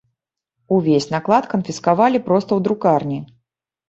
Увесь наклад канфіскавалі проста ў друкарні.